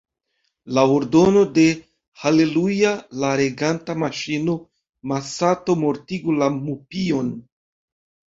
Laŭ ordono de Haleluja, la reganta maŝino, Masato mortigu la mupion.